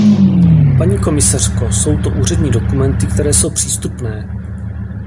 Paní komisařko, jsou to úřední dokumenty, které jsou přístupné.